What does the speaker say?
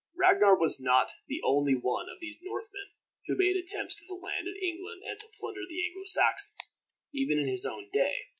Ragnar was not the only one of these Northmen who made attempts to land in England and to plunder the Anglo Saxons, even in his own day.